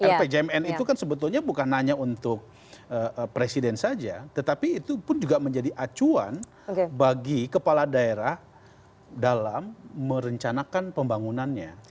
rpjmn itu kan sebetulnya bukan hanya untuk presiden saja tetapi itu pun juga menjadi acuan bagi kepala daerah dalam merencanakan pembangunannya